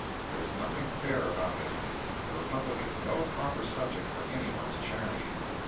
There is nothing fair about it; and the Republic is no proper subject for any one's charity.